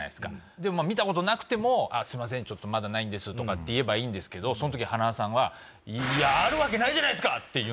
でも見たことなくても「すいませんちょっとまだないんです」とかって言えばいいんですけどその時塙さんは。って言うんですよ。